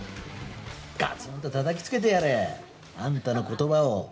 ガツンとたたきつけてやれ！あんたの言葉を。